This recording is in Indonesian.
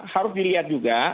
harus dilihat juga